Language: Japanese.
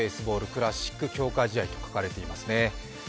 クラシック強化試合と書かれていますね。